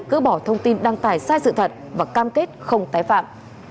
gỡ bỏ thông tin đăng tải sai sự thật và cam kết không tái phạm